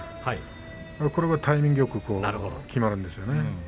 これがタイミングよくきまるんですね。